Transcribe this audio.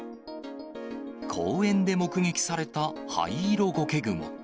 公園で目撃されたハイイロゴケグモ。